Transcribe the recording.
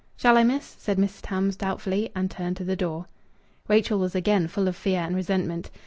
"Shall I, miss?" said Miss Tams doubtfully, and turned to the door. Rachel was again full of fear and resentment.